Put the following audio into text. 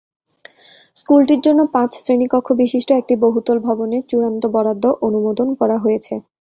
স্কুলটির জন্য পাঁচ শ্রেণিকক্ষবিশিষ্ট একটি বহুতল ভবনের চূড়ান্ত বরাদ্দ অনুমোদন করা হয়েছে।